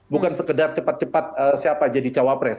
bukan sekedar cepat cepat siapa jadi cawapres